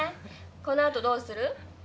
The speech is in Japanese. このあとどうする？